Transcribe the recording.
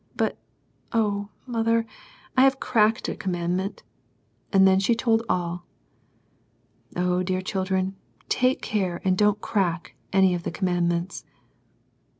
But oh, mother, I have cracked a commandment :" and then she told all. Oh, dear children, take care and don't crcuk any of the commandments